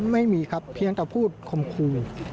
ไม่มีครับเพียงแต่พูดคมครู